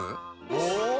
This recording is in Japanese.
お！